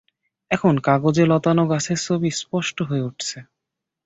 এখন কাগজে লতানো গাছের ছবি স্পষ্ট হয়ে উঠছে।